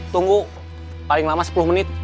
tunggu paling lama sepuluh menit